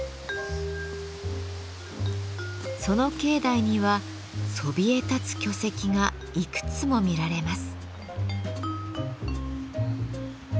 その境内にはそびえ立つ巨石がいくつも見られます。